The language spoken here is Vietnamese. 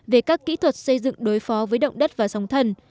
về các kỹ thuật xây dựng đối phó với động đất và sóng thần